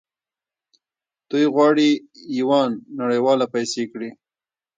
دوی غواړي یوان نړیواله پیسې کړي.